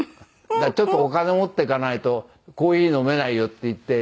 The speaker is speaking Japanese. ちょっとお金持っていかないとコーヒー飲めないよっていって。